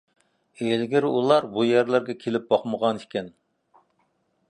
ئىلگىرى ئۇلار بۇ يەرلەرگە كېلىپ باقمىغانىكەن.